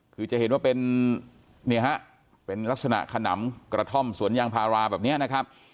คือจะเห็นว่าเป็นเนี่ยฮะเป็นลักษณะขนำกระท่อมสวนยางพาราแบบนี้นะครับ